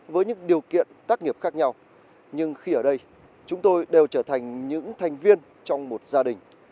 với những điều kiện tác nghiệp khác nhau nhưng khi ở đây chúng tôi đều trở thành những thành viên trong một gia đình